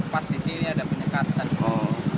pas di sini ada penyekatan